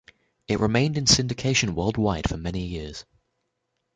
It remained in syndication worldwide for many years.